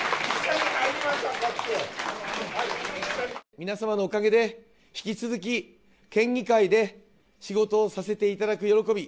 皆様のおかげで引き続き県議会で仕事をさせていただく喜び。